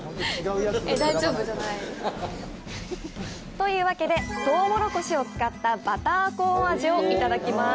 というわけで、トウモロコシを使ったバターコーン味をいただきます！